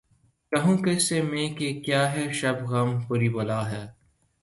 کہوں کس سے میں کہ کیا ہے شب غم بری بلا ہے